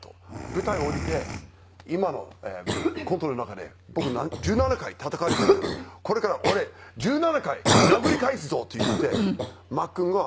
舞台下りて「今のコントの中で僕１７回たたかれてるからこれから俺１７回殴り返すぞ」って言ってマックンが。